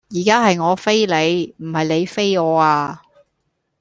而家係我飛你,唔係你飛我呀